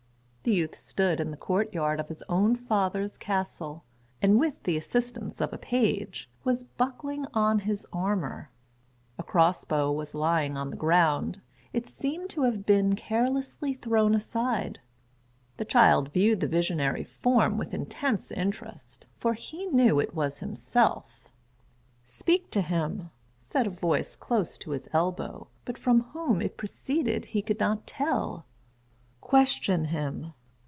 The youth stood in the court yard of his own father's castle, and with the assistance of a page, was buckling on his armor. A cross bow was lying on the ground; it seemed to have been carelessly thrown aside. The child viewed the visionary form with intense interest, for he knew it was himself. "Speak to him," said a voice close to his elbow, but from whom it proceeded he could not tell: "question him."